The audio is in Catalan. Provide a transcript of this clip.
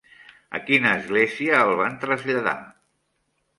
A quina església el van traslladar?